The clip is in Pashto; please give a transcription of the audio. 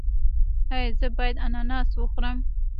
ایا زه باید اناناس وخورم؟